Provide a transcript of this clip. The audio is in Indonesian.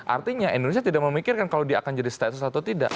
artinya indonesia tidak memikirkan kalau dia akan jadi status atau tidak